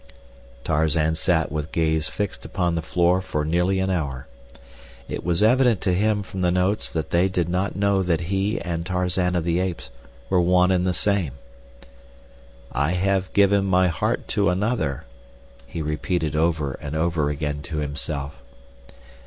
Tarzan sat with gaze fixed upon the floor for nearly an hour. It was evident to him from the notes that they did not know that he and Tarzan of the Apes were one and the same. "I have given my heart to another," he repeated over and over again to himself.